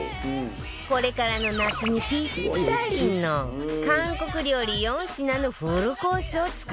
これからの夏にぴったりの韓国料理４品のフルコースを作るわよ